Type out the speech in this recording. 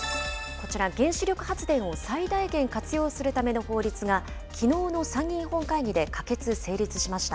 こちら、原子力発電を最大限活用するための法律が、きのうの参議院本会議で可決・成立しました。